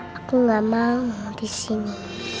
aku gak mau disini